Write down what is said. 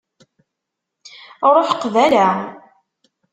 Ruḥ qbala.